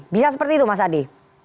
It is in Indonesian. bisa seperti itu mas adi